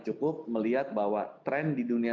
cukup melihat bahwa tren di dunia